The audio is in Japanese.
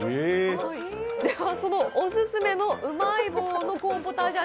そのオススメのうまい棒のコーンポタージュ